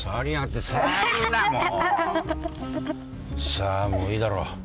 さあもういいだろ。